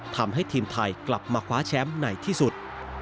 ทำให้ทีมไทยกลับมาคว้าแชมป์ในที่สุด